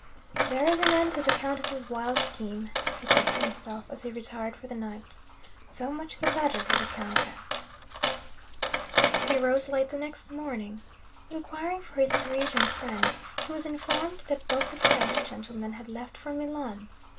'There is an end to the Countess's wild scheme,' he thought to himself, as he retired for the night. 'So much the better for the Countess!' He rose late the next morning. Inquiring for his Parisian friends, he was informed that both the French gentlemen had left for Milan.